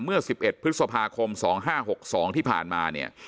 เมื่อ๑๑พฤษภาคม๒๕๖๒ที่ผ่านมาเนี่ย